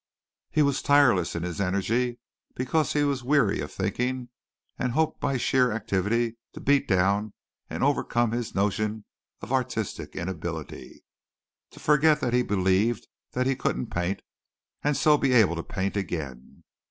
He was tireless in his energy because he was weary of thinking and hoped by sheer activity to beat down and overcome his notion of artistic inability to forget that he believed that he couldn't paint and so be able to paint again.